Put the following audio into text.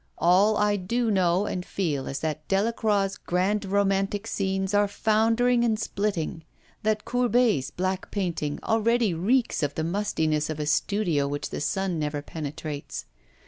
All I do know and feel is that Delacroix's grand romantic scenes are foundering and splitting, that Courbet's black painting already reeks of the mustiness of a studio which the sun never penetrates.